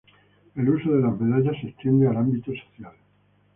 El uso de las medallas se extiende al ámbito social.